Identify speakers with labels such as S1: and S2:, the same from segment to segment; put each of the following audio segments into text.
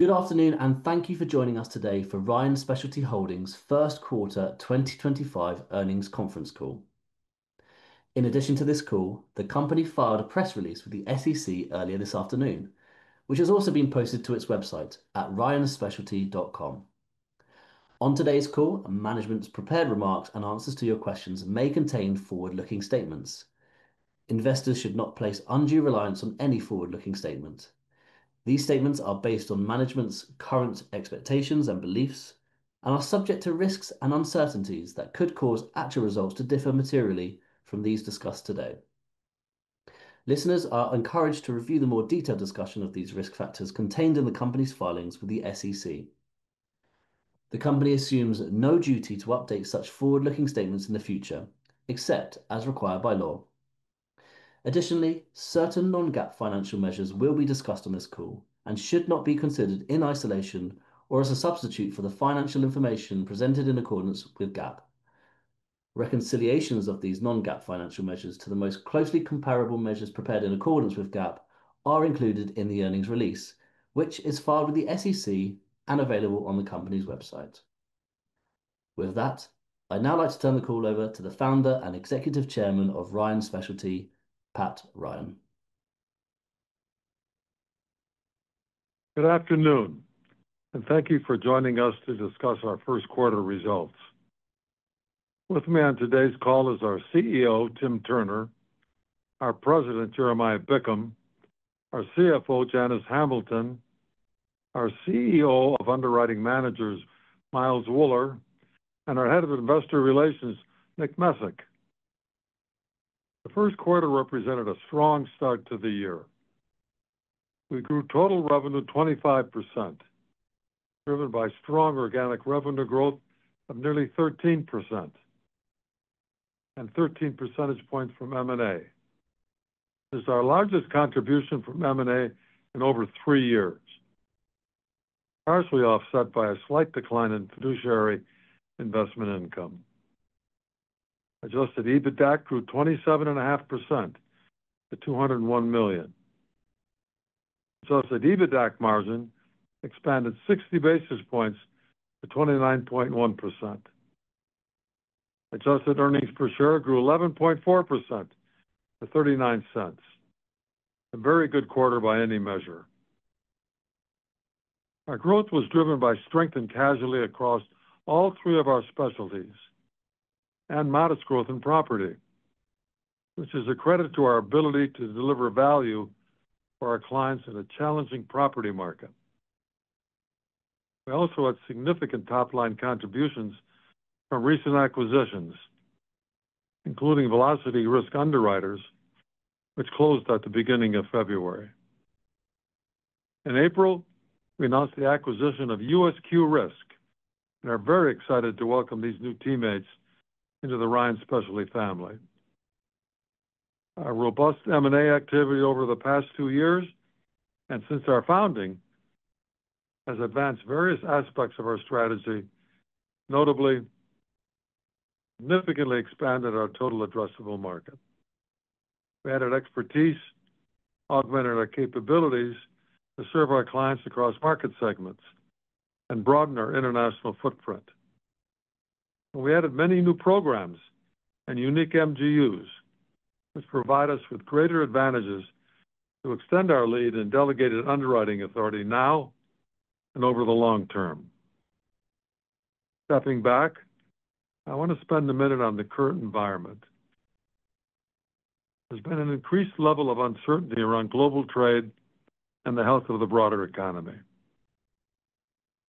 S1: Good afternoon, and thank you for joining us today for Ryan Specialty Holdings' first quarter 2025 earnings conference call. In addition to this call, the company filed a press release with the SEC earlier this afternoon, which has also been posted to its website at ryanspecialty.com. On today's call, management's prepared remarks and answers to your questions may contain forward-looking statements. Investors should not place undue reliance on any forward-looking statement. These statements are based on management's current expectations and beliefs and are subject to risks and uncertainties that could cause actual results to differ materially from these discussed today. Listeners are encouraged to review the more detailed discussion of these risk factors contained in the company's filings with the SEC. The company assumes no duty to update such forward-looking statements in the future, except as required by law.
S2: Additionally, certain non-GAAP financial measures will be discussed on this call and should not be considered in isolation or as a substitute for the financial information presented in accordance with GAAP. Reconciliations of these non-GAAP financial measures to the most closely comparable measures prepared in accordance with GAAP are included in the earnings release, which is filed with the SEC and available on the company's website. With that, I'd now like to turn the call over to the Founder and Executive Chairman of Ryan Specialty, Pat Ryan.
S3: Good afternoon, and thank you for joining us to discuss our first quarter results. With me on today's call is our CEO, Tim Turner, our President, Jeremiah Bickham, our CFO, Janice Hamilton, our CEO of Underwriting Managers, Miles Wuller, and our Head of Investor Relations, Nick Messick. The first quarter represented a strong start to the year. We grew total revenue 25%, driven by strong organic revenue growth of nearly 13% and 13 percentage points from M&A. This is our largest contribution from M&A in over three years, partially offset by a slight decline in fiduciary investment income. Adjusted EBITDA grew 27.5% to $201 million. Adjusted EBITDA margin expanded 60 basis points to 29.1%. Adjusted earnings per share grew 11.4% to $0.39. A very good quarter by any measure. Our growth was driven by strengthened casualty across all three of our specialties and modest growth in property, which is a credit to our ability to deliver value for our clients in a challenging property market. We also had significant top-line contributions from recent acquisitions, including Velocity Risk Underwriters, which closed at the beginning of February. In April, we announced the acquisition of USQ Risk, and we are very excited to welcome these new teammates into the Ryan Specialty family. Our robust M&A activity over the past two years and since our founding has advanced various aspects of our strategy, notably significantly expanded our total addressable market. We added expertise, augmented our capabilities to serve our clients across market segments, and broadened our international footprint. We added many new programs and unique MGUs, which provide us with greater advantages to extend our lead and delegated underwriting authority now and over the long term. Stepping back, I want to spend a minute on the current environment. There's been an increased level of uncertainty around global trade and the health of the broader economy.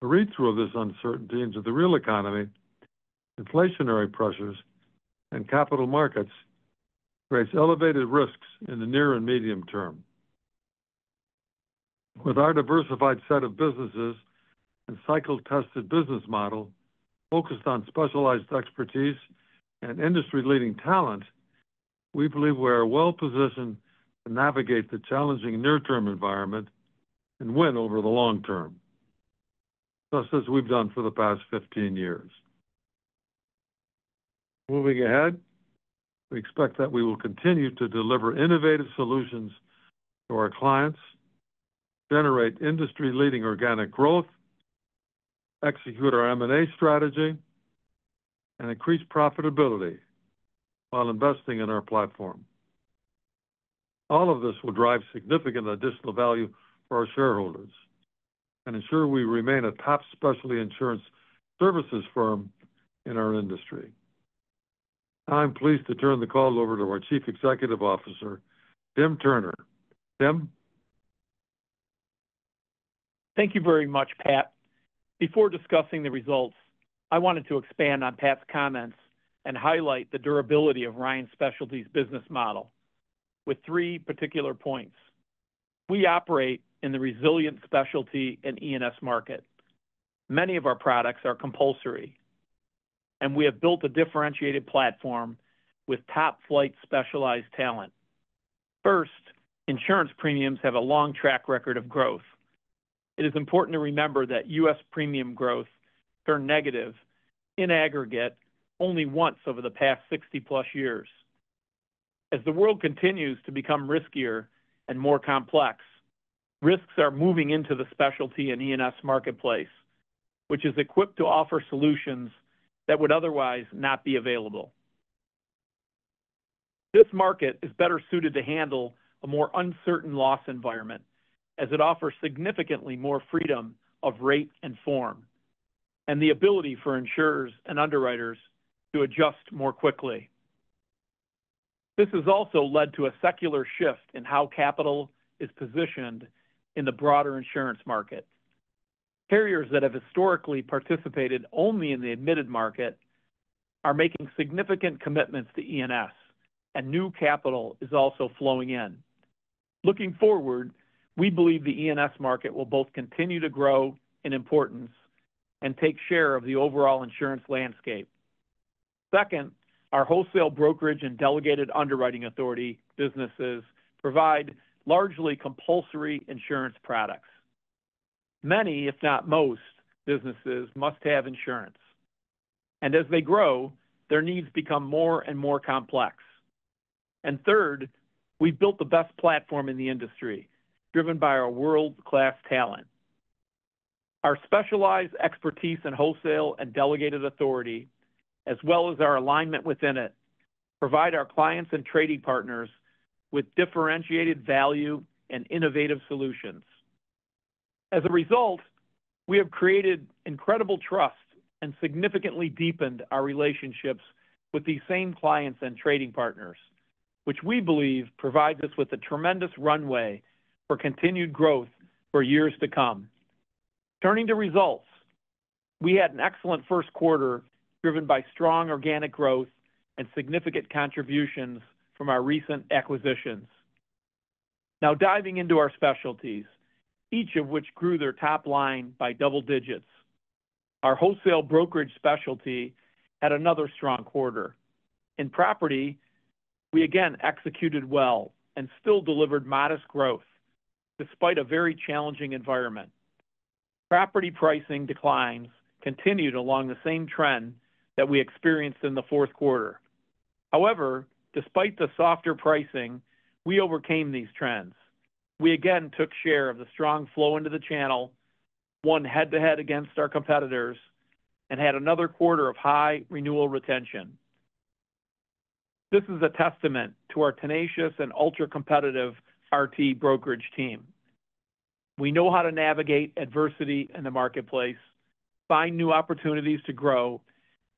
S3: The read-through of this uncertainty into the real economy, inflationary pressures, and capital markets creates elevated risks in the near and medium term. With our diversified set of businesses and cycle-tested business model focused on specialized expertise and industry-leading talent, we believe we are well-positioned to navigate the challenging near-term environment and win over the long term, just as we've done for the past 15 years. Moving ahead, we expect that we will continue to deliver innovative solutions to our clients, generate industry-leading organic growth, execute our M&A strategy, and increase profitability while investing in our platform. All of this will drive significant additional value for our shareholders and ensure we remain a top specialty insurance services firm in our industry. I'm pleased to turn the call over to our Chief Executive Officer, Tim Turner. Tim?
S4: Thank you very much, Pat. Before discussing the results, I wanted to expand on Pat's comments and highlight the durability of Ryan Specialty's business model with three particular points. We operate in the resilient specialty and E&S market. Many of our products are compulsory, and we have built a differentiated platform with top-flight specialized talent. First, insurance premiums have a long track record of growth. It is important to remember that U.S. premium growth turned negative in aggregate only once over the past 60-plus years. As the world continues to become riskier and more complex, risks are moving into the specialty and E&S marketplace, which is equipped to offer solutions that would otherwise not be available. This market is better suited to handle a more uncertain loss environment, as it offers significantly more freedom of rate and form, and the ability for insurers and underwriters to adjust more quickly. This has also led to a secular shift in how capital is positioned in the broader insurance market. Carriers that have historically participated only in the admitted market are making significant commitments to E&S, and new capital is also flowing in. Looking forward, we believe the E&S market will both continue to grow in importance and take share of the overall insurance landscape. Second, our wholesale brokerage and delegated underwriting authority businesses provide largely compulsory insurance products. Many, if not most, businesses must have insurance, and as they grow, their needs become more and more complex. Third, we've built the best platform in the industry, driven by our world-class talent. Our specialized expertise in wholesale and delegated authority, as well as our alignment within it, provide our clients and trading partners with differentiated value and innovative solutions. As a result, we have created incredible trust and significantly deepened our relationships with these same clients and trading partners, which we believe provides us with a tremendous runway for continued growth for years to come. Turning to results, we had an excellent first quarter driven by strong organic growth and significant contributions from our recent acquisitions. Now diving into our specialties, each of which grew their top line by double digits, our wholesale brokerage specialty had another strong quarter. In property, we again executed well and still delivered modest growth despite a very challenging environment. Property pricing declines continued along the same trend that we experienced in the fourth quarter. However, despite the softer pricing, we overcame these trends. We again took share of the strong flow into the channel, won head-to-head against our competitors, and had another quarter of high renewal retention. This is a testament to our tenacious and ultra-competitive RT brokerage team. We know how to navigate adversity in the marketplace, find new opportunities to grow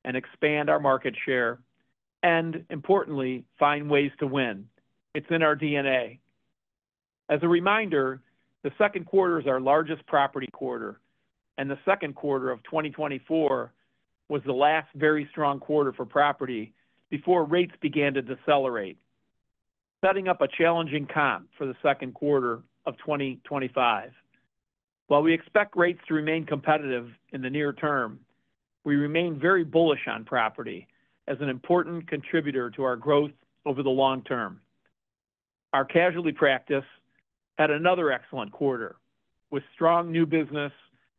S4: and expand our market share, and importantly, find ways to win. It's in our DNA. As a reminder, the second quarter is our largest property quarter, and the second quarter of 2024 was the last very strong quarter for property before rates began to decelerate, setting up a challenging comp for the second quarter of 2025. While we expect rates to remain competitive in the near term, we remain very bullish on property as an important contributor to our growth over the long term. Our casualty practice had another excellent quarter with strong new business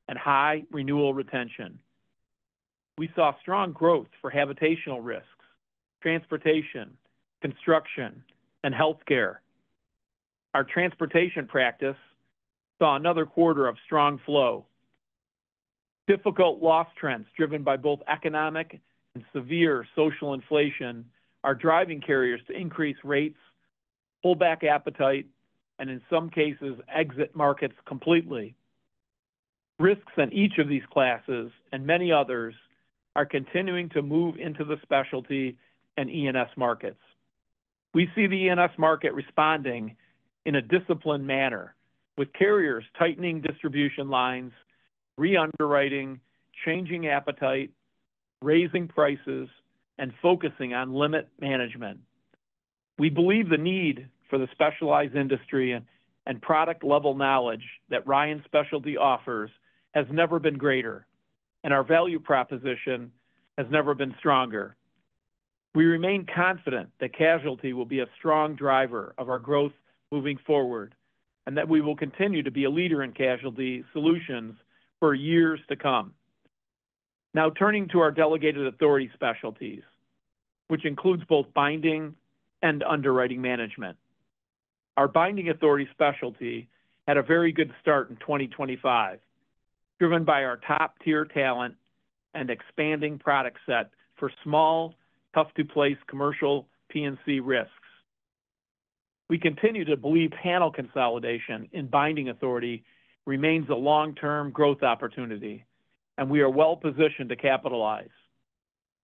S4: and high renewal retention. We saw strong growth for habitational risks, transportation, construction, and healthcare. Our transportation practice saw another quarter of strong flow. Difficult loss trends driven by both economic and severe social inflation are driving carriers to increase rates, pull back appetite, and in some cases, exit markets completely. Risks in each of these classes and many others are continuing to move into the specialty and E&S markets. We see the E&S market responding in a disciplined manner, with carriers tightening distribution lines, re-underwriting, changing appetite, raising prices, and focusing on limit management. We believe the need for the specialized industry and product-level knowledge that Ryan Specialty offers has never been greater, and our value proposition has never been stronger. We remain confident that casualty will be a strong driver of our growth moving forward and that we will continue to be a leader in casualty solutions for years to come. Now turning to our delegated authority specialties, which includes both binding and underwriting management. Our binding authority specialty had a very good start in 2025, driven by our top-tier talent and expanding product set for small, tough-to-place commercial P&C risks. We continue to believe panel consolidation in binding authority remains a long-term growth opportunity, and we are well-positioned to capitalize.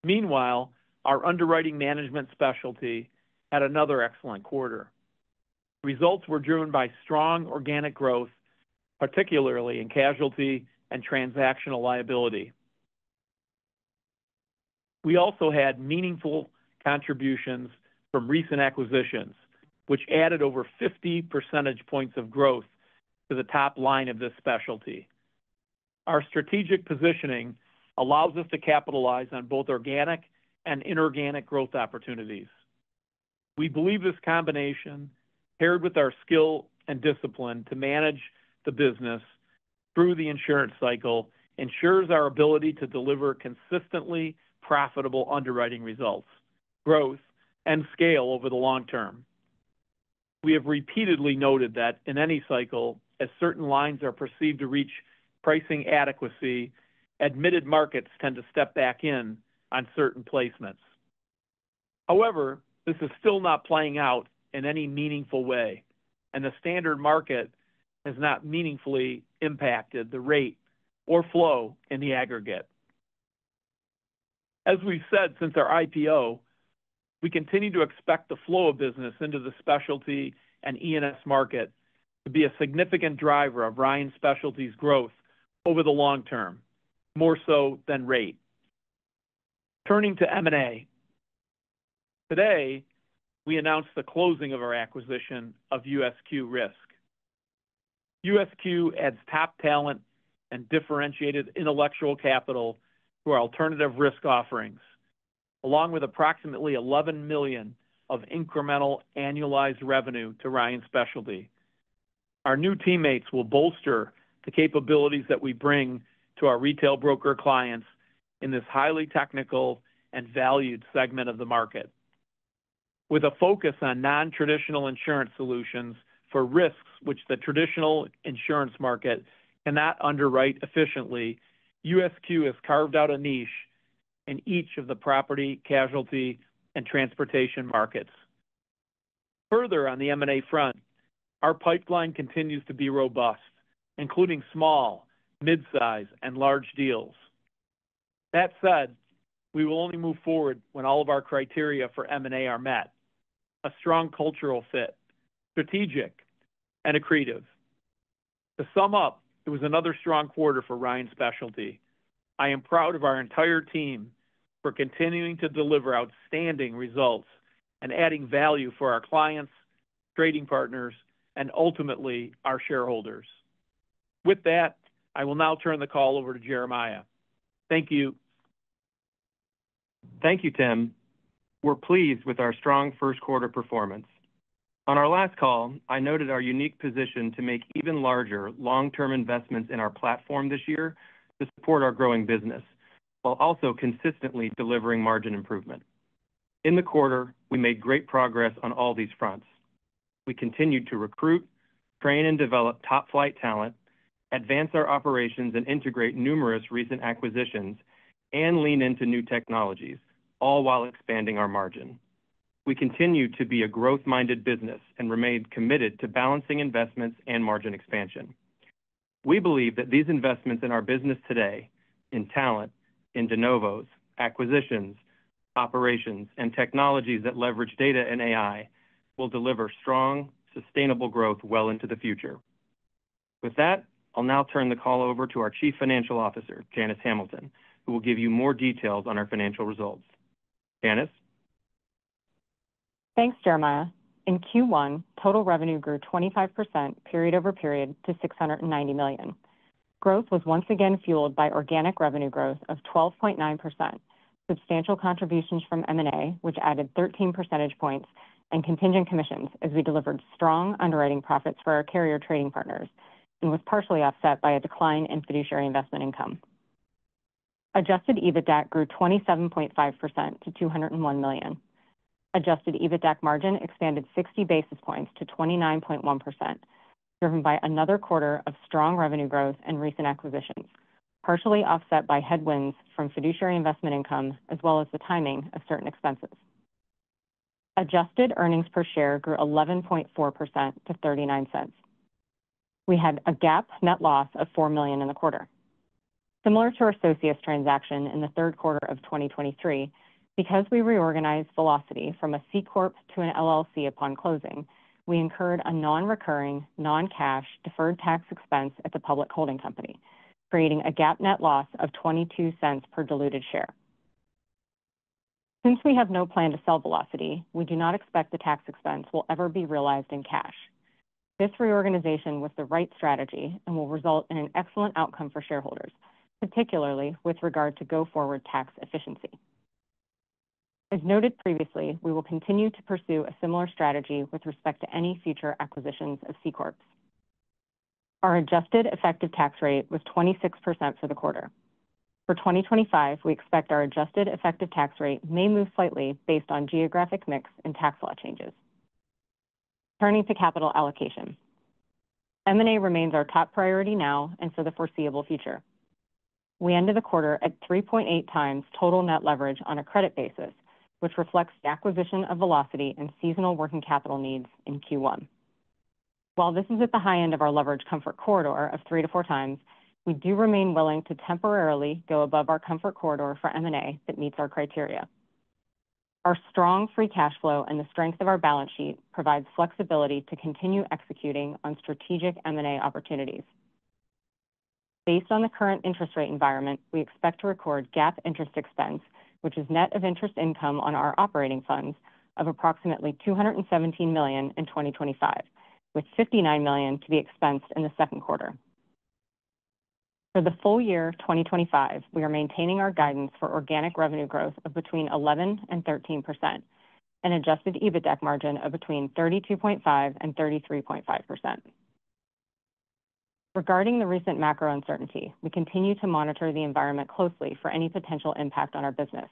S4: Meanwhile, our underwriting management specialty had another excellent quarter. Results were driven by strong organic growth, particularly in casualty and transactional liability. We also had meaningful contributions from recent acquisitions, which added over 50 percentage points of growth to the top line of this specialty. Our strategic positioning allows us to capitalize on both organic and inorganic growth opportunities. We believe this combination, paired with our skill and discipline to manage the business through the insurance cycle, ensures our ability to deliver consistently profitable underwriting results, growth, and scale over the long term. We have repeatedly noted that in any cycle, as certain lines are perceived to reach pricing adequacy, admitted markets tend to step back in on certain placements. However, this is still not playing out in any meaningful way, and the standard market has not meaningfully impacted the rate or flow in the aggregate. As we've said since our IPO, we continue to expect the flow of business into the specialty and E&S market to be a significant driver of Ryan Specialty's growth over the long term, more so than rate. Turning to M&A, today, we announced the closing of our acquisition of USQ Risk. USQ adds top talent and differentiated intellectual capital to our alternative risk offerings, along with approximately $11 million of incremental annualized revenue to Ryan Specialty. Our new teammates will bolster the capabilities that we bring to our retail broker clients in this highly technical and valued segment of the market. With a focus on non-traditional insurance solutions for risks which the traditional insurance market cannot underwrite efficiently, USQ has carved out a niche in each of the property, casualty, and transportation markets. Further, on the M&A front, our pipeline continues to be robust, including small, mid-size, and large deals. That said, we will only move forward when all of our criteria for M&A are met: a strong cultural fit, strategic, and accretive. To sum up, it was another strong quarter for Ryan Specialty. I am proud of our entire team for continuing to deliver outstanding results and adding value for our clients, trading partners, and ultimately our shareholders. With that, I will now turn the call over to Jeremiah. Thank you.
S5: Thank you, Tim. We're pleased with our strong first-quarter performance. On our last call, I noted our unique position to make even larger long-term investments in our platform this year to support our growing business while also consistently delivering margin improvement. In the quarter, we made great progress on all these fronts. We continued to recruit, train, and develop top-flight talent, advance our operations and integrate numerous recent acquisitions, and lean into new technologies, all while expanding our margin. We continue to be a growth-minded business and remain committed to balancing investments and margin expansion. We believe that these investments in our business today, in talent, in de novos, acquisitions, operations, and technologies that leverage data and AI will deliver strong, sustainable growth well into the future. With that, I'll now turn the call over to our Chief Financial Officer, Janice Hamilton, who will give you more details on our financial results. Janice?
S6: Thanks, Jeremiah. In Q1, total revenue grew 25% period over period to $690 million. Growth was once again fueled by organic revenue growth of 12.9%, substantial contributions from M&A, which added 13 percentage points, and contingent commissions as we delivered strong underwriting profits for our carrier trading partners, and was partially offset by a decline in fiduciary investment income. Adjusted EBITDA grew 27.5% to $201 million. Adjusted EBITDA margin expanded 60 basis points to 29.1%, driven by another quarter of strong revenue growth and recent acquisitions, partially offset by headwinds from fiduciary investment income, as well as the timing of certain expenses. Adjusted earnings per share grew 11.4% to $0.39. We had a GAAP net loss of $4 million in the quarter. Similar to our Socius transaction in the third quarter of 2023, because we reorganized Velocity from a C Corp to an LLC upon closing, we incurred a non-recurring, non-cash deferred tax expense at the public holding company, creating a GAAP net loss of $0.22 per diluted share. Since we have no plan to sell Velocity, we do not expect the tax expense will ever be realized in cash. This reorganization was the right strategy and will result in an excellent outcome for shareholders, particularly with regard to go forward tax efficiency. As noted previously, we will continue to pursue a similar strategy with respect to any future acquisitions of C Corps. Our adjusted effective tax rate was 26% for the quarter. For 2025, we expect our adjusted effective tax rate may move slightly based on geographic mix and tax law changes. Turning to capital allocation, M&A remains our top priority now and for the foreseeable future. We ended the quarter at 3.8 times total net leverage on a credit basis, which reflects the acquisition of Velocity and seasonal working capital needs in Q1. While this is at the high end of our leverage comfort corridor of three to four times, we do remain willing to temporarily go above our comfort corridor for M&A that meets our criteria. Our strong free cash flow and the strength of our balance sheet provide flexibility to continue executing on strategic M&A opportunities. Based on the current interest rate environment, we expect to record GAAP interest expense, which is net of interest income on our operating funds, of approximately $217 million in 2025, with $59 million to be expensed in the second quarter. For the full year 2025, we are maintaining our guidance for organic revenue growth of between 11% and 13% and adjusted EBITDA margin of between 32.5% and 33.5%. Regarding the recent macro uncertainty, we continue to monitor the environment closely for any potential impact on our business.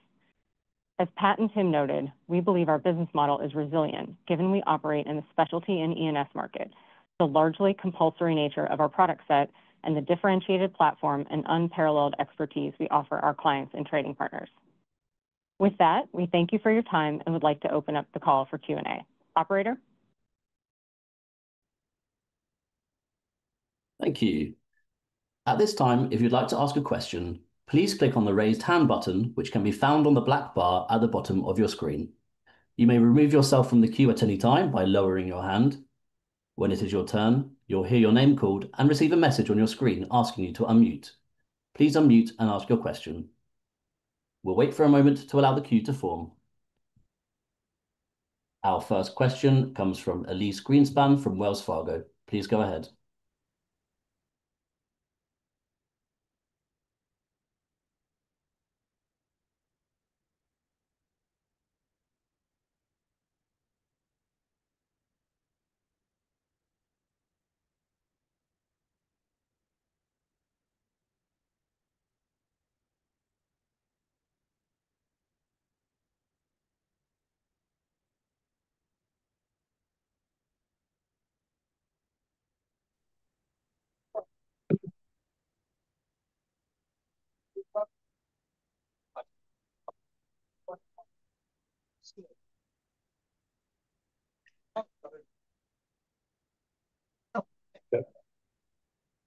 S6: As Pat and Tim noted, we believe our business model is resilient given we operate in the specialty and E&S market, the largely compulsory nature of our product set, and the differentiated platform and unparalleled expertise we offer our clients and trading partners. With that, we thank you for your time and would like to open up the call for Q&A. Operator?
S1: Thank you. At this time, if you'd like to ask a question, please click on the raised hand button, which can be found on the black bar at the bottom of your screen. You may remove yourself from the queue at any time by lowering your hand. When it is your turn, you'll hear your name called and receive a message on your screen asking you to unmute. Please unmute and ask your question. We'll wait for a moment to allow the queue to form. Our first question comes from Elyse Beth Greenspan from Wells Fargo. Please go ahead.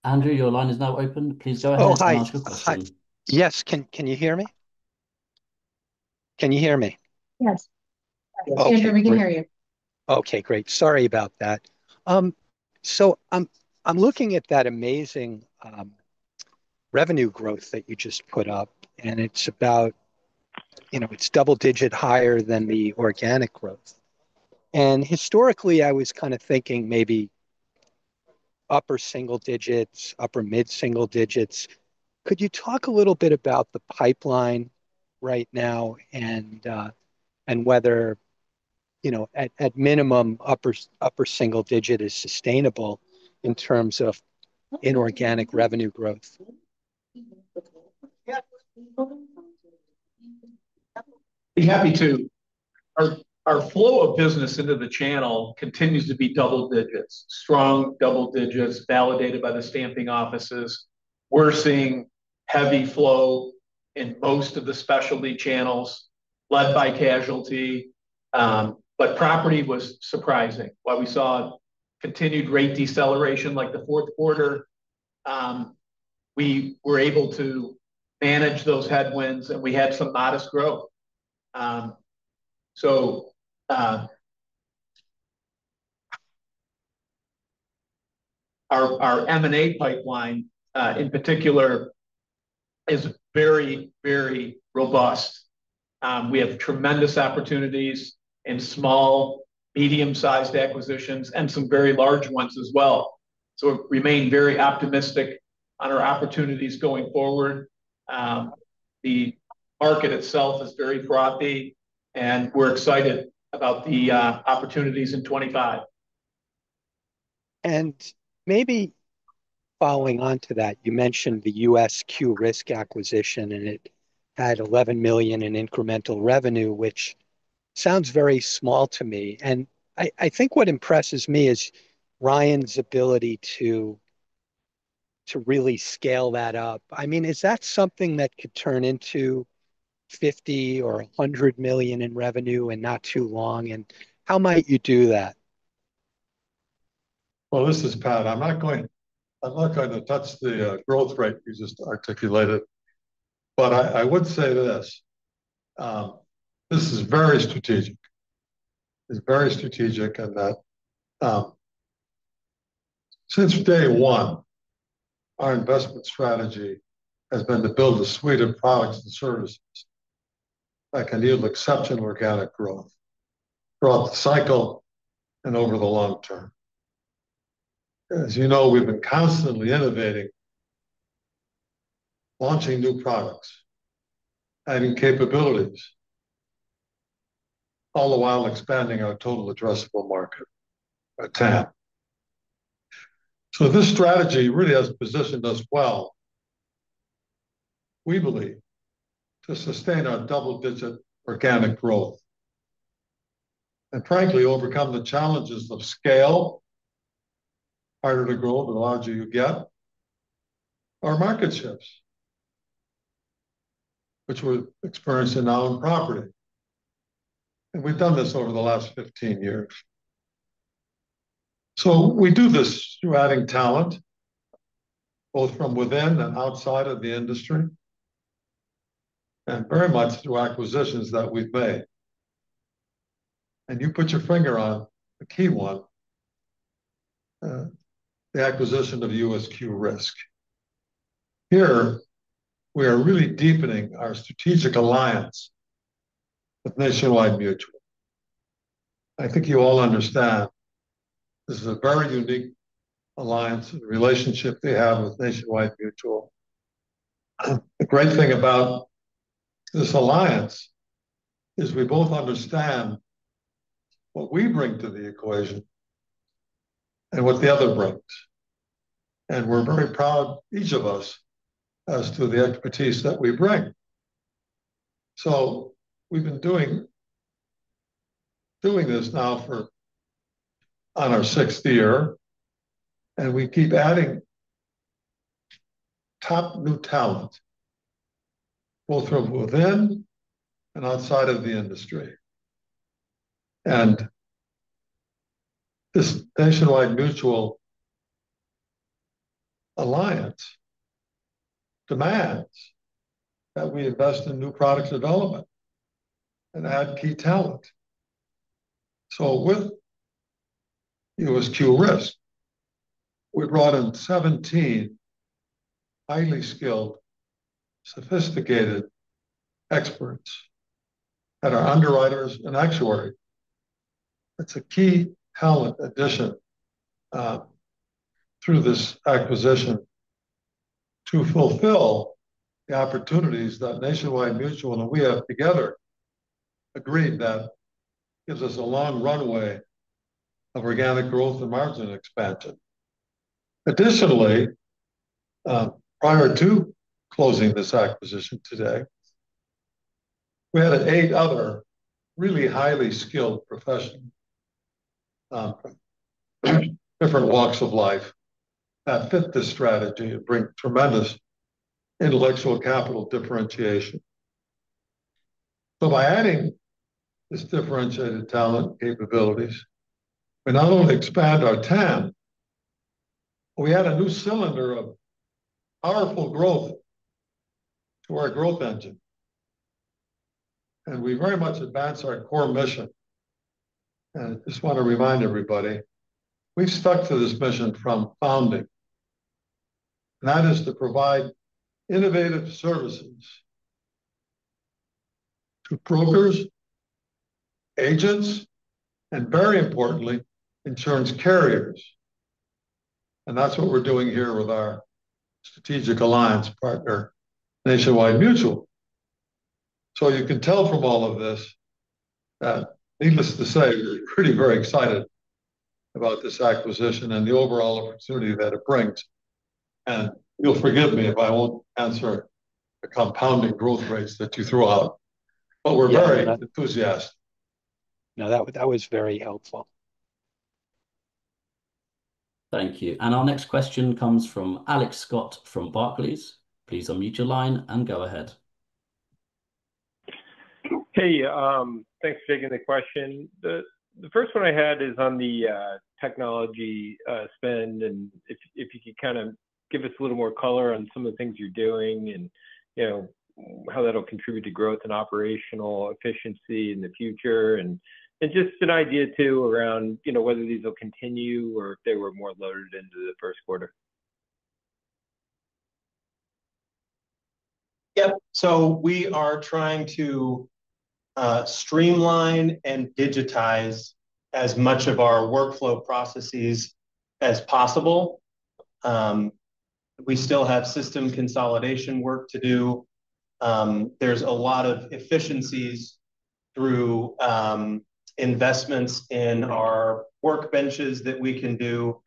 S1: Andrew, your line is now open. Please go ahead and ask your question.
S7: Hi. Yes. Can you hear me?
S6: Yes.
S1: Okay.
S6: Andrew, we can hear you.
S7: Okay. Great. Sorry about that. I'm looking at that amazing revenue growth that you just put up, and it's about, you know, it's double-digit higher than the organic growth. Historically, I was kind of thinking maybe upper single digits, upper mid-single digits. Could you talk a little bit about the pipeline right now and whether, you know, at minimum, upper single digit is sustainable in terms of inorganic revenue growth?
S4: Be happy to. Our flow of business into the channel continues to be double digits, strong double digits, validated by the stamping offices. We're seeing heavy flow in most of the specialty channels led by casualty. Property was surprising. While we saw continued rate deceleration like the fourth quarter, we were able to manage those headwinds, and we had some modest growth. Our M&A pipeline, in particular, is very, very robust. We have tremendous opportunities in small, medium-sized acquisitions and some very large ones as well. We remain very optimistic on our opportunities going forward. The market itself is very frothy, and we're excited about the opportunities in 2025.
S7: Maybe following on to that, you mentioned the USQ Risk acquisition, and it had $11 million in incremental revenue, which sounds very small to me. I think what impresses me is Ryan's ability to really scale that up. I mean, is that something that could turn into $50 million or $100 million in revenue in not too long? How might you do that?
S3: I'm not going to touch the growth rate you just articulated. I would say this: this is very strategic. It's very strategic in that since day one, our investment strategy has been to build a suite of products and services that can yield exceptional organic growth throughout the cycle and over the long term. As you know, we've been constantly innovating, launching new products, adding capabilities, all the while expanding our total addressable market by 10. This strategy really has positioned us well, we believe, to sustain our double-digit organic growth and, frankly, overcome the challenges of scale, harder to grow, the larger you get, our market shifts, which we're experiencing now in property. We've done this over the last 15 years. We do this through adding talent, both from within and outside of the industry, and very much through acquisitions that we've made. You put your finger on a key one: the acquisition of USQ Risk. Here, we are really deepening our strategic alliance with Nationwide Mutual. I think you all understand this is a very unique alliance and relationship they have with Nationwide Mutual. The great thing about this alliance is we both understand what we bring to the equation and what the other brings. We're very proud, each of us, as to the expertise that we bring. We've been doing this now for our sixth year, and we keep adding top new talent, both from within and outside of the industry. This Nationwide Mutual alliance demands that we invest in new product development and add key talent. With USQ Risk, we brought in 17 highly skilled, sophisticated experts that are underwriters and actuaries. That is a key talent addition through this acquisition to fulfill the opportunities that Nationwide Mutual and we have together agreed that gives us a long runway of organic growth and margin expansion. Additionally, prior to closing this acquisition today, we had eight other really highly skilled professionals from different walks of life that fit the strategy and bring tremendous intellectual capital differentiation. By adding this differentiated talent capabilities, we not only expand our 10, but we add a new cylinder of powerful growth to our growth engine. We very much advance our core mission. I just want to remind everybody, we have stuck to this mission from founding. That is to provide innovative services to brokers, agents, and, very importantly, insurance carriers. That is what we are doing here with our strategic alliance partner, Nationwide Mutual. You can tell from all of this that, needless to say, we are pretty very excited about this acquisition and the overall opportunity that it brings. You will forgive me if I will not answer the compounding growth rates that you threw out, but we are very enthusiastic.
S7: Now, that was very helpful.
S1: Thank you. Our next question comes from Alex Scott from Barclays. Please unmute your line and go ahead.
S8: Hey, thanks for taking the question. The first one I had is on the technology spend, and if you could kind of give us a little more color on some of the things you're doing and how that'll contribute to growth and operational efficiency in the future, and just an idea too around whether these will continue or if they were more loaded into the first quarter.
S5: Yep. We are trying to streamline and digitize as much of our workflow processes as possible. We still have system consolidation work to do. There are a lot of efficiencies through investments in our workbenches that we can do.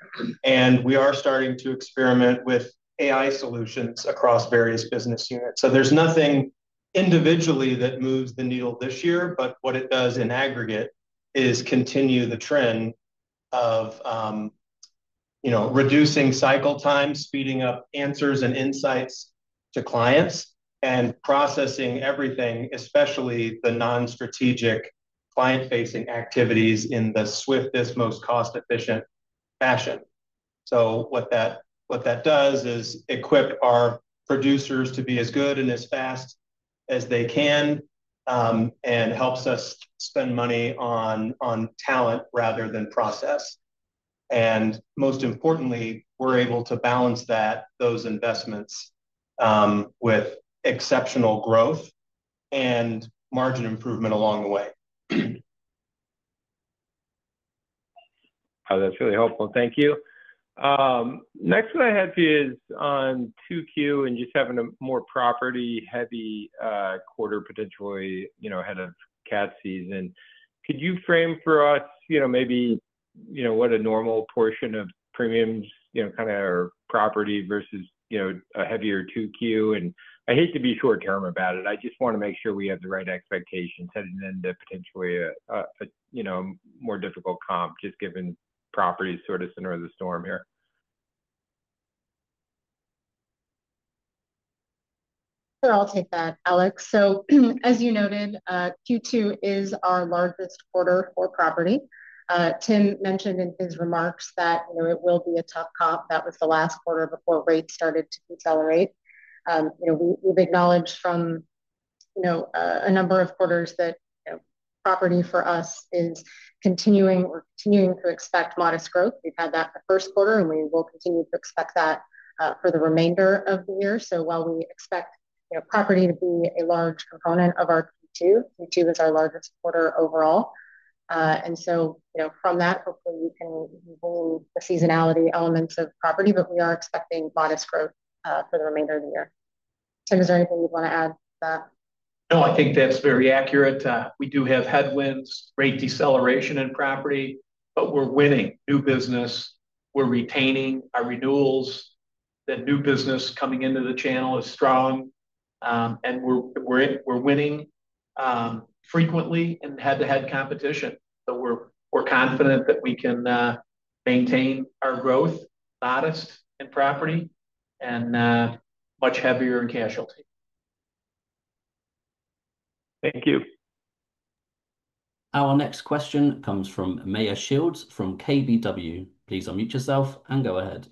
S5: We are starting to experiment with AI solutions across various business units. There is nothing individually that moves the needle this year, but what it does in aggregate is continue the trend of reducing cycle time, speeding up answers and insights to clients, and processing everything, especially the non-strategic client-facing activities in the swiftest, most cost-efficient fashion. What that does is equip our producers to be as good and as fast as they can and helps us spend money on talent rather than process. Most importantly, we are able to balance those investments with exceptional growth and margin improvement along the way.
S8: Oh, that's really helpful. Thank you. Next one I had for you is on 2Q and just having a more property-heavy quarter, potentially ahead of CAT season. Could you frame for us maybe what a normal portion of premiums kind of are property versus a heavier 2Q? I hate to be short-term about it. I just want to make sure we have the right expectations heading into potentially a more difficult comp just given property sort of center of the storm here.
S6: Sure. I'll take that, Alex. As you noted, Q2 is our largest quarter for property. Tim mentioned in his remarks that it will be a tough comp. That was the last quarter before rates started to accelerate. We've acknowledged for a number of quarters that property for us is continuing or continuing to expect modest growth. We've had that the first quarter, and we will continue to expect that for the remainder of the year. While we expect property to be a large component of our Q2, Q2 is our largest quarter overall. From that, hopefully, we can remove the seasonality elements of property, but we are expecting modest growth for the remainder of the year. Tim, is there anything you'd want to add to that?
S4: No, I think that's very accurate. We do have headwinds, great deceleration in property, but we're winning new business. We're retaining our renewals. The new business coming into the channel is strong, and we're winning frequently in head-to-head competition. We are confident that we can maintain our growth, modest in property, and much heavier in casualty.
S8: Thank you.
S1: Our next question comes from Meyer Shields from KBW. Please unmute yourself and go ahead.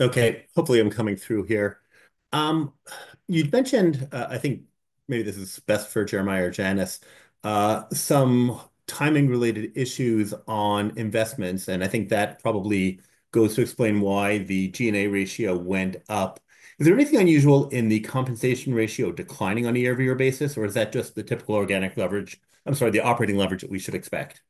S9: Okay. Hopefully, I'm coming through here. You'd mentioned, I think maybe this is best for Jeremiah or Janice, some timing-related issues on investments. I think that probably goes to explain why the G&A ratio went up. Is there anything unusual in the compensation ratio declining on a year-over-year basis, or is that just the typical organic leverage—I'm sorry, the operating leverage that we should expect?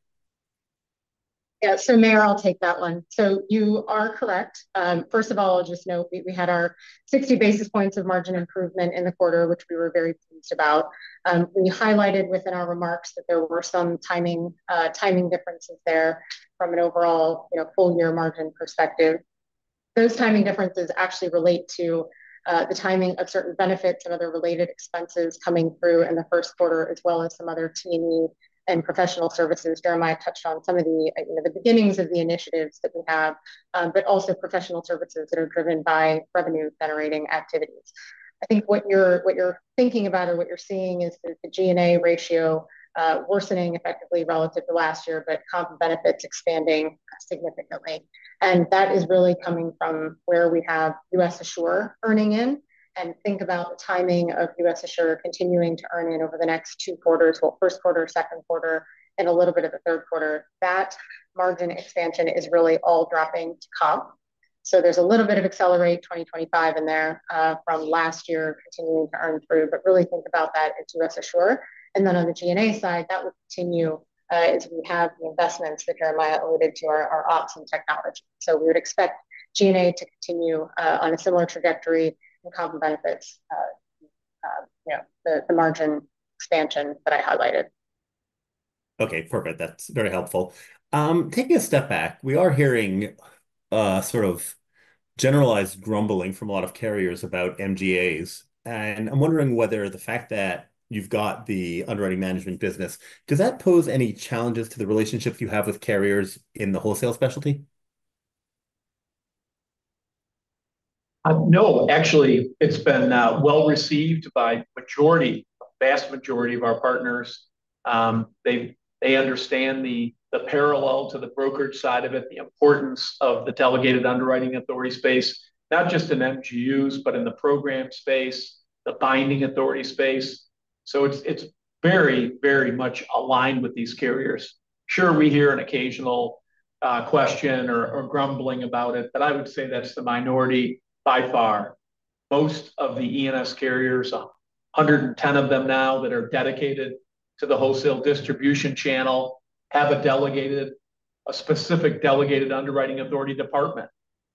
S6: Yeah. Mayor, I'll take that one. You are correct. First of all, I'll just note we had our 60 basis points of margin improvement in the quarter, which we were very pleased about. We highlighted within our remarks that there were some timing differences there from an overall full-year margin perspective. Those timing differences actually relate to the timing of certain benefits and other related expenses coming through in the first quarter, as well as some other T&E and professional services. Jeremiah touched on some of the beginnings of the initiatives that we have, but also professional services that are driven by revenue-generating activities. I think what you're thinking about or what you're seeing is the G&A ratio worsening effectively relative to last year, but comp benefits expanding significantly. That is really coming from where we have US Assure earning in. Think about the timing of US Assure continuing to earn in over the next two quarters: first quarter, second quarter, and a little bit of the third quarter. That margin expansion is really all dropping to comp. There is a little bit of accelerate 2025 in there from last year continuing to earn through, but really think about that as US Assure. On the G&A side, that will continue as we have the investments that Jeremiah alluded to, our ops and technology. We would expect G&A to continue on a similar trajectory and comp benefits, the margin expansion that I highlighted.
S9: Okay. Perfect. That's very helpful. Taking a step back, we are hearing sort of generalized grumbling from a lot of carriers about MGAs. I'm wondering whether the fact that you've got the underwriting management business, does that pose any challenges to the relationships you have with carriers in the wholesale specialty?
S5: No. Actually, it's been well received by the vast majority of our partners. They understand the parallel to the brokerage side of it, the importance of the delegated underwriting authority space, not just in MGUs, but in the program space, the binding authority space. It is very, very much aligned with these carriers. Sure, we hear an occasional question or grumbling about it, but I would say that's the minority by far. Most of the E&S carriers, 110 of them now that are dedicated to the wholesale distribution channel, have a specific delegated underwriting authority department.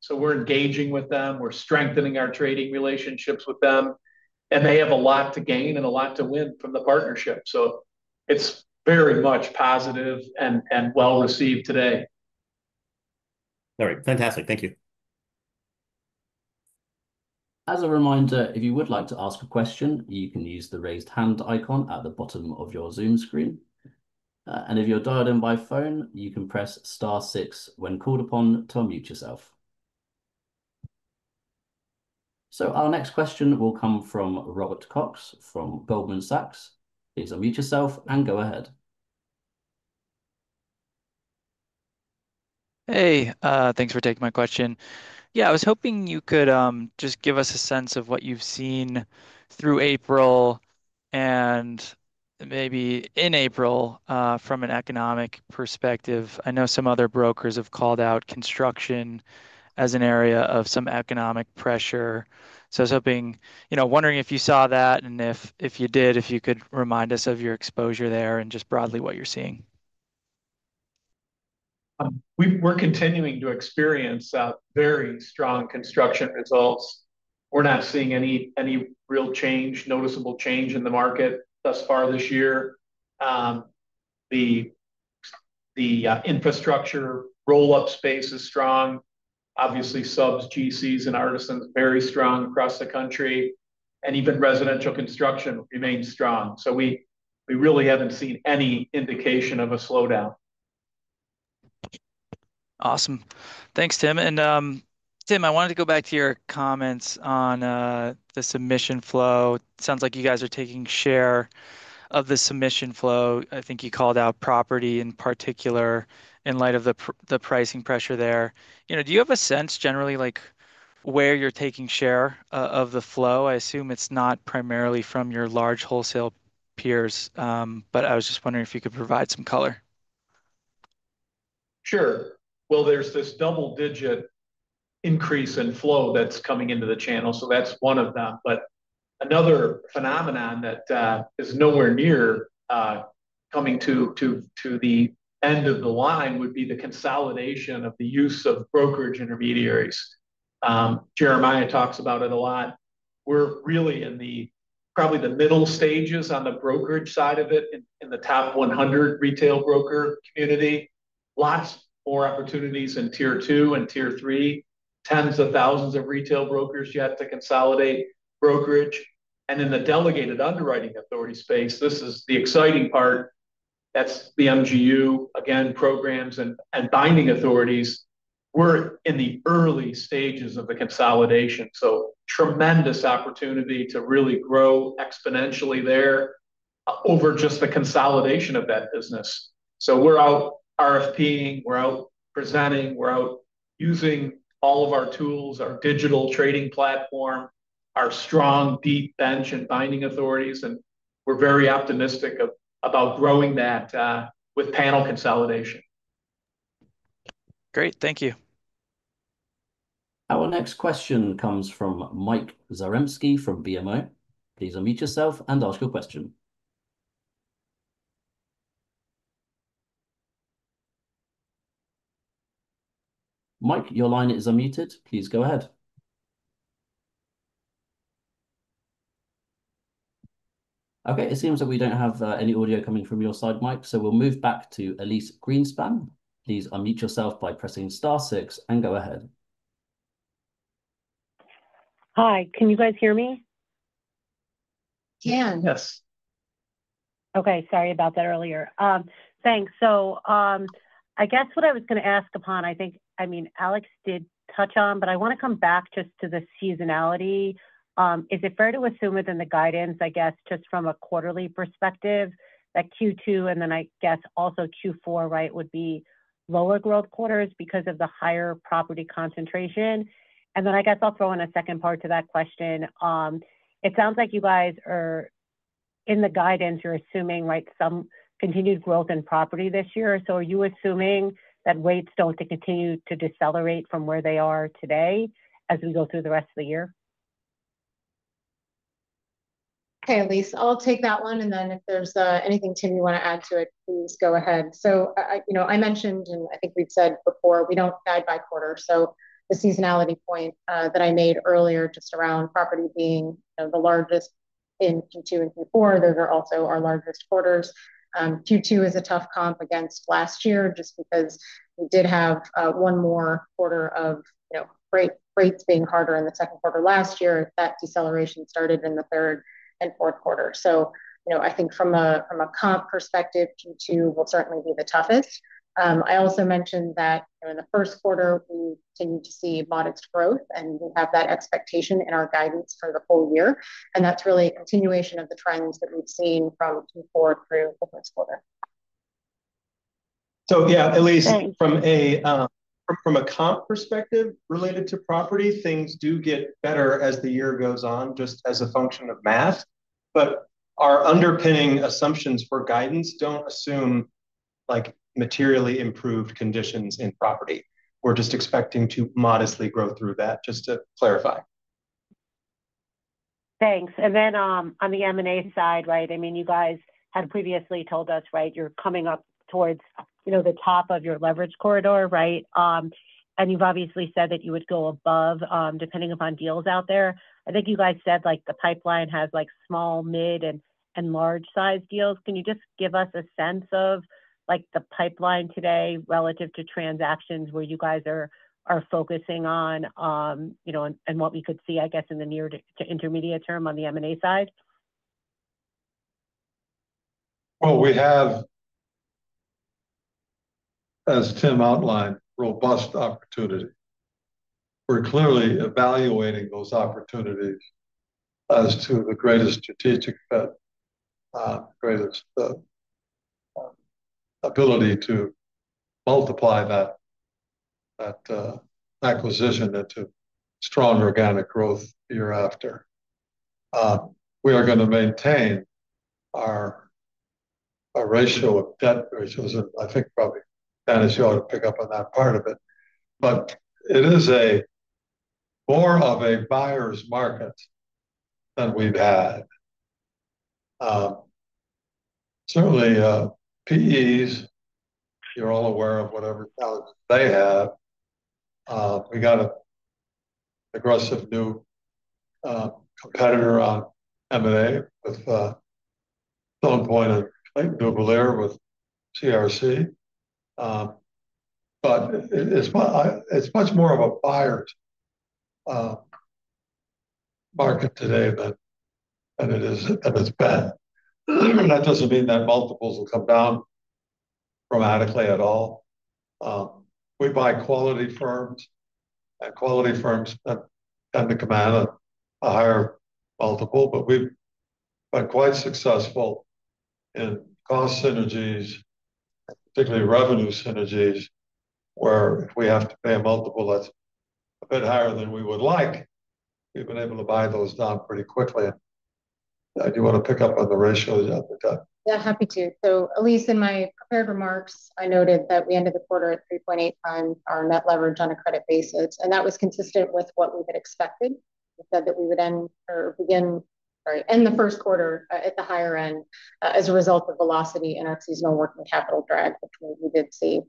S5: We are engaging with them. We are strengthening our trading relationships with them, and they have a lot to gain and a lot to win from the partnership. It is very much positive and well received today.
S9: All right. Fantastic. Thank you.
S1: As a reminder, if you would like to ask a question, you can use the raised hand icon at the bottom of your Zoom screen. If you're dialed in by phone, you can press star six when called upon to unmute yourself. Our next question will come from Robert Cox from Goldman Sachs. Please unmute yourself and go ahead.
S10: Hey. Thanks for taking my question. Yeah, I was hoping you could just give us a sense of what you've seen through April and maybe in April from an economic perspective. I know some other brokers have called out construction as an area of some economic pressure. I was wondering if you saw that, and if you did, if you could remind us of your exposure there and just broadly what you're seeing.
S4: We're continuing to experience very strong construction results. We're not seeing any real change, noticeable change in the market thus far this year. The infrastructure roll-up space is strong. Obviously, subs, GCs, and artisans are very strong across the country. Even residential construction remains strong. We really haven't seen any indication of a slowdown.
S10: Awesome. Thanks, Tim. Tim, I wanted to go back to your comments on the submission flow. It sounds like you guys are taking share of the submission flow. I think you called out property in particular in light of the pricing pressure there. Do you have a sense, generally, where you're taking share of the flow? I assume it's not primarily from your large wholesale peers, but I was just wondering if you could provide some color.
S4: Sure. There is this double-digit increase in flow that's coming into the channel. That is one of them. Another phenomenon that is nowhere near coming to the end of the line would be the consolidation of the use of brokerage intermediaries. Jeremiah talks about it a lot. We are really in probably the middle stages on the brokerage side of it in the top 100 retail broker community. Lots more opportunities in tier two and tier three, tens of thousands of retail brokers yet to consolidate brokerage. In the delegated underwriting authority space, this is the exciting part. That is the MGU, again, programs and binding authorities. We are in the early stages of the consolidation. Tremendous opportunity to really grow exponentially there over just the consolidation of that business. We are out RFPing. We are out presenting. We're out using all of our tools, our digital trading platform, our strong deep bench and binding authorities. We are very optimistic about growing that with panel consolidation.
S10: Great. Thank you.
S1: Our next question comes from Michael David Zaremski from BMO. Please unmute yourself and ask your question. Mike, your line is unmuted. Please go ahead. It seems that we do not have any audio coming from your side, Mike. We will move back to Elyse Beth Greenspan. Please unmute yourself by pressing star six and go ahead.
S7: Hi. Can you guys hear me?
S6: Can.
S7: Yes. Okay. Sorry about that earlier. Thanks. I guess what I was going to ask upon, I think, I mean, Alex did touch on, but I want to come back just to the seasonality. Is it fair to assume within the guidance, I guess, just from a quarterly perspective, that Q2 and then I guess also Q4, right, would be lower growth quarters because of the higher property concentration? I guess I'll throw in a second part to that question. It sounds like you guys are in the guidance, you're assuming, right, some continued growth in property this year. Are you assuming that rates do not continue to decelerate from where they are today as we go through the rest of the year?
S6: Okay, Elyse. I'll take that one. If there's anything, Tim, you want to add to it, please go ahead. I mentioned, and I think we've said before, we don't guide by quarter. The seasonality point that I made earlier just around property being the largest in Q2 and Q4, those are also our largest quarters. Q2 is a tough comp against last year just because we did have one more quarter of rates being harder in the second quarter last year if that deceleration started in the third and fourth quarter. I think from a comp perspective, Q2 will certainly be the toughest. I also mentioned that in the first quarter, we continue to see modest growth, and we have that expectation in our guidance for the full year. That is really a continuation of the trends that we have seen from Q4 through the first quarter.
S4: Yeah, Elyse, from a comp perspective related to property, things do get better as the year goes on just as a function of math. Our underpinning assumptions for guidance do not assume materially improved conditions in property. We are just expecting to modestly grow through that, just to clarify.
S7: Thanks. On the M&A side, right, I mean, you guys had previously told us, right, you're coming up towards the top of your leverage corridor, right? You’ve obviously said that you would go above depending upon deals out there. I think you guys said the pipeline has small, mid, and large-sized deals. Can you just give us a sense of the pipeline today relative to transactions where you guys are focusing on and what we could see, I guess, in the near to intermediate term on the M&A side?
S3: We have, as Tim outlined, robust opportunity. We're clearly evaluating those opportunities as to the greatest strategic ability to multiply that acquisition into strong organic growth year after. We are going to maintain our ratio of debt ratios. I think probably Janice you ought to pick up on that part of it. It is more of a buyer's market than we've had. Certainly, PEs, you're all aware of whatever talents they have. We got an aggressive new competitor on M&A with some point of Clayton Dubilier with CRC Group. It is much more of a buyer's market today than it has been. That does not mean that multiples will come down dramatically at all. We buy quality firms and quality firms tend to command a higher multiple. We have been quite successful in cost synergies, particularly revenue synergies, where if we have to pay a multiple that is a bit higher than we would like, we have been able to buy those down pretty quickly. Do you want to pick up on the ratios?
S6: Yeah, happy to. Elyse, in my prepared remarks, I noted that we ended the quarter at 3.8 times our net leverage on a credit basis. That was consistent with what we had expected. We said that we would end, or begin, sorry, end the first quarter at the higher end as a result of Velocity and our seasonal working capital drag, which we did see.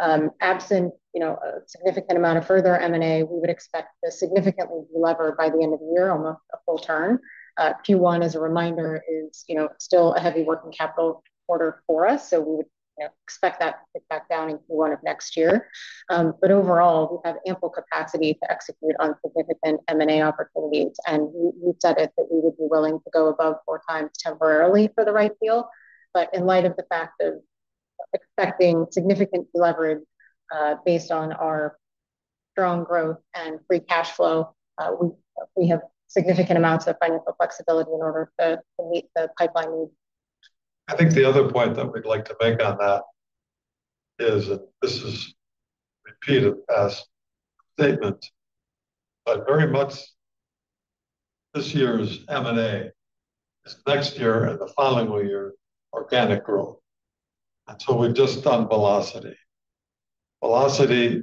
S6: Absent a significant amount of further M&A, we would expect to significantly delever by the end of the year, almost a full turn. Q1, as a reminder, is still a heavy working capital quarter for us. We would expect that to pick back down in Q1 of next year. Overall, we have ample capacity to execute on significant M&A opportunities. We have said that we would be willing to go above four times temporarily for the right deal. In light of the fact of expecting significant leverage based on our strong growth and free cash flow, we have significant amounts of financial flexibility in order to meet the pipeline needs.
S3: I think the other point that we'd like to make on that is that this is repeated past statements, but very much this year's M&A is next year and the following year organic growth. We've just done Velocity Risk Underwriters. Velocity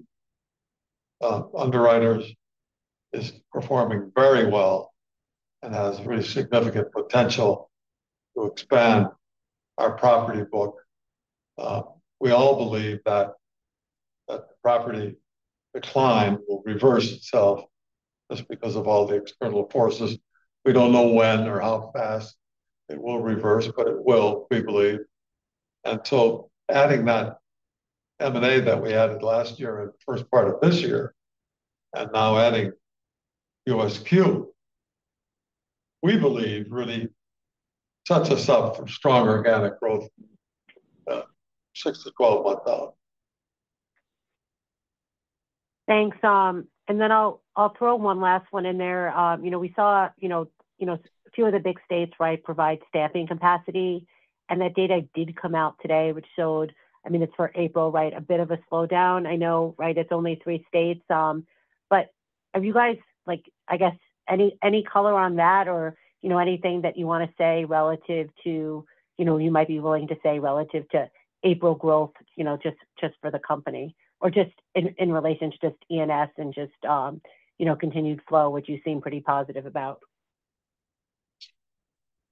S3: Risk Underwriters is performing very well and has really significant potential to expand our property book. We all believe that property decline will reverse itself just because of all the external forces. We do not know when or how fast it will reverse, but it will, we believe. Adding that M&A that we added last year in the first part of this year and now adding USQ Risk, we believe really sets us up for strong organic growth 6-12 months out.
S7: Thanks. I'll throw one last one in there. We saw a few of the big states, right, provide staffing capacity. That data did come out today, which showed, I mean, it's for April, right, a bit of a slowdown. I know, right, it's only three states. Have you guys, I guess, any color on that or anything that you want to say relative to you might be willing to say relative to April growth just for the company or just in relation to just E&S and just continued flow, which you seem pretty positive about?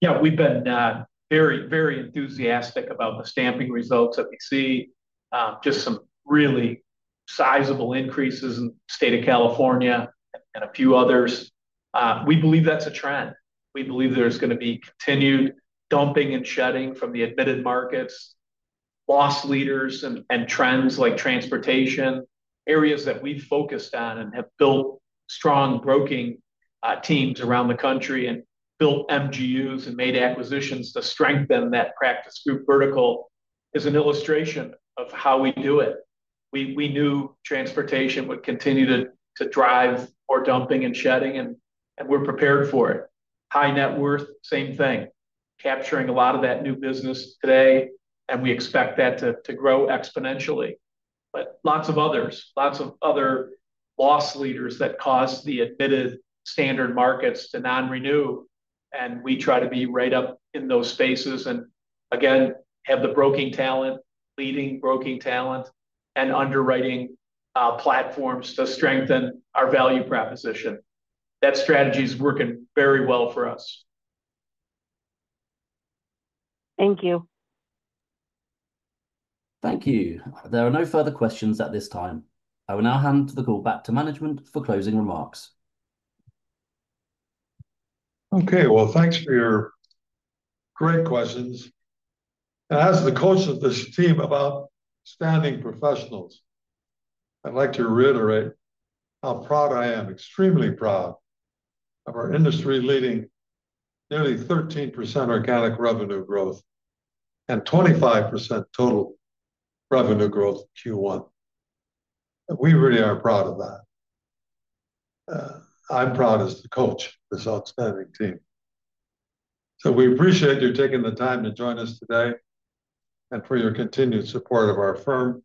S3: Yeah. We've been very, very enthusiastic about the stamping results that we see. Just some really sizable increases in the state of California and a few others. We believe that's a trend. We believe there's going to be continued dumping and shedding from the admitted markets, loss leaders, and trends like transportation, areas that we've focused on and have built strong broking teams around the country and built MGUs and made acquisitions to strengthen that practice group vertical is an illustration of how we do it. We knew transportation would continue to drive more dumping and shedding, and we're prepared for it. High net worth, same thing, capturing a lot of that new business today. We expect that to grow exponentially. Lots of others, lots of other loss leaders that cause the admitted standard markets to non-renew.
S4: We try to be right up in those spaces and, again, have the broking talent, leading broking talent, and underwriting platforms to strengthen our value proposition. That strategy is working very well for us.
S7: Thank you.
S1: Thank you. There are no further questions at this time. I will now hand the call back to management for closing remarks.
S3: Okay. Thanks for your great questions. As the coach of this team of outstanding professionals, I'd like to reiterate how proud I am, extremely proud, of our industry-leading nearly 13% organic revenue growth and 25% total revenue growth in Q1. We really are proud of that. I'm proud as the coach of this outstanding team. We appreciate you taking the time to join us today and for your continued support of our firm.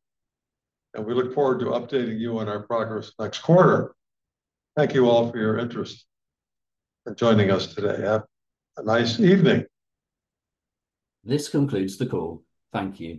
S3: We look forward to updating you on our progress next quarter. Thank you all for your interest in joining us today. Have a nice evening.
S1: This concludes the call. Thank you.